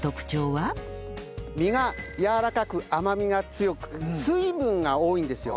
身がやわらかく甘みが強く水分が多いんですよ。